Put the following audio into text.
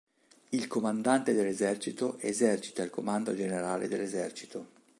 Il Comandante dell'Esercito esercita il comando generale dell'esercito.